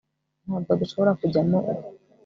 ntabwo dushobora kujyamo ubu